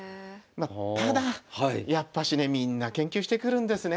ただやっぱしねみんな研究してくるんですね。